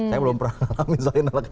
saya belum pernah nolak misalnya mie ayam